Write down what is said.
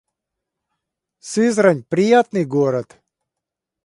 Сызрань — приятный город